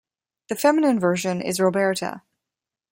The feminine version is Roberta.